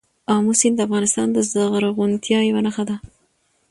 آمو سیند د افغانستان د زرغونتیا یوه نښه ده.